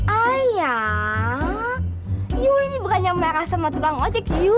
ayah iu ini bukan nyam merah sama tukang ojek iu